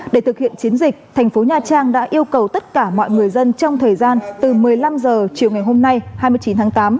để thực hiện chiến dịch thành phố nha trang đã yêu cầu tất cả mọi người dân trong thời gian từ một mươi năm h chiều ngày hôm nay hai mươi chín tháng tám